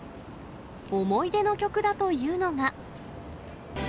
思い出の曲だというのが。